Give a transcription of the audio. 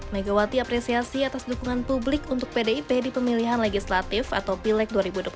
megawati apresiasi atas dukungan publik untuk pdip di pemilihan legislatif atau pileg dua ribu dua puluh empat